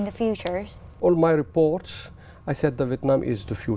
tôi nói rằng việt nam là tương lai